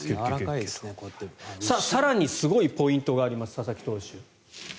更にすごいポイントがあります佐々木投手。